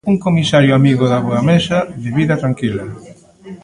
Un comisario amigo da boa mesa, de vida tranquila.